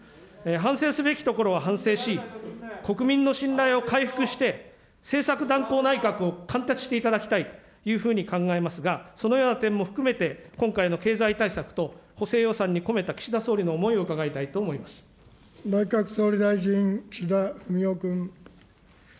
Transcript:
反省すべきところは反省し、国民の信頼を回復して、政策断行内閣を貫徹していただきたいというふうに考えますが、そのような点も含めて、今回の経済対策と補正予算に込めた岸田総理の思いを伺いたいと思内閣総理大臣、岸田文雄君。